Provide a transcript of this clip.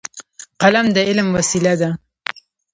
قلم د علم وسیله ده.